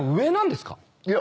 いや。